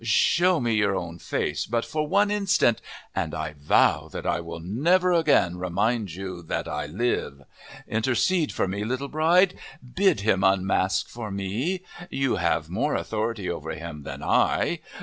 Show me your own face but for one instant, and I vow that I will never again remind you that I live. Intercede for me, little bride. Bid him unmask for me. You have more authority over him than I.